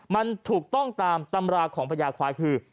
มันถูกต้องตามตำราควายคือ